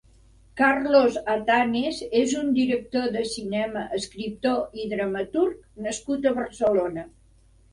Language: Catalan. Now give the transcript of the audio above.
Carlos Atanes és un director de cinema, escriptor i dramaturg nascut a Barcelona.